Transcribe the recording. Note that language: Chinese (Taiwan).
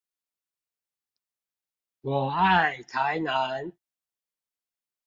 我愛台南